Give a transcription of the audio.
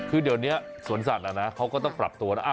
คือเดี๋ยวนี้สวนสัตว์เขาก็ต้องปรับตัวนะ